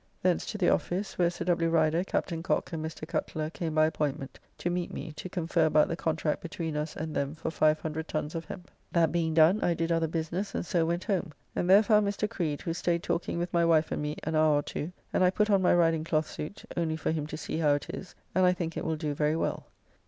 Thence to the office, where Sir W. Rider, Capt. Cocke, and Mr. Cutler came by appointment to meet me to confer about the contract between us and them for 500 tons of hemp. That being done, I did other business and so went home, and there found Mr. Creed, who staid talking with my wife and me an hour or two, and I put on my riding cloth suit, only for him to see how it is, and I think it will do very well.